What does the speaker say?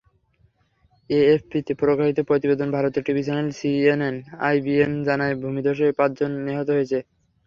এএফপিতে প্রকাশিত প্রতিবেদনে ভারতের টিভি চ্যানেল সিএনএন-আইবিএন জানায়, ভূমিধসে পাঁচজন নিহত হয়েছে।